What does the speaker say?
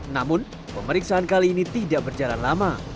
namun pemeriksaan kali ini tidak berjalan lama